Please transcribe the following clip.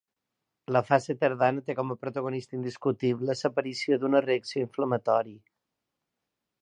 La fase tardana té com a protagonista indiscutible l'aparició d'una reacció inflamatòria.